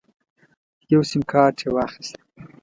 یو سیم کارت یې واخیست.